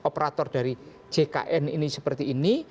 operator dari jkn ini seperti ini